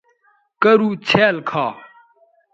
کرُو څھیال کھا